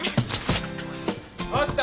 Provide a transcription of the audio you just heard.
あった。